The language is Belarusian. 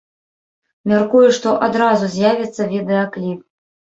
Мяркую, што адразу з'явіцца відэакліп.